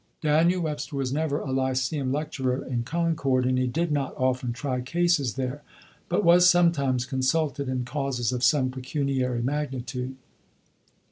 Daniel Webster was never a lyceum lecturer in Concord, and he did not often try cases there, but was sometimes consulted in causes of some pecuniary magnitude.